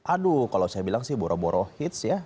aduh kalau saya bilang sih boro boro hits ya